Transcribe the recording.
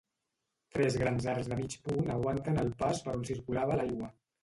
Tres grans arcs de mig punt aguanten el pas per on circulava l'aigua.